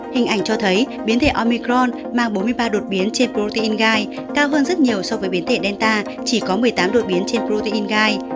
hình ảnh cho thấy biến thể omicron mang bốn mươi ba đột biến trên protein gai cao hơn rất nhiều so với biến thể delta chỉ có một mươi tám đột biến trên protein gai